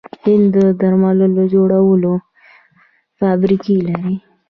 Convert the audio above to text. هند د درملو جوړولو فابریکې لري.